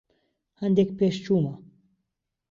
هەندێک پێشچوومە.